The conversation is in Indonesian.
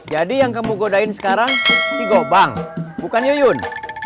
jadi yang kamu godain sekarang si gobang bukan yuyun